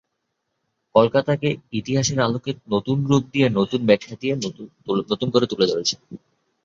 কলকাতাকে ইতিহাসের আলোকে নতুন রূপ দিয়ে, নতুন ব্যাখ্যা দিয়ে তুলে ধরেছেন।